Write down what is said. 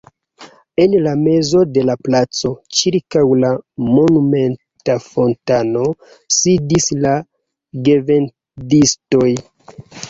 En la mezo de la placo, ĉirkaŭ la monumenta fontano, sidis la gevendistoj.